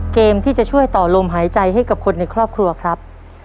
เกมที่จะช่วยต่อลมหายใจให้กับคนในครอบครัวครับ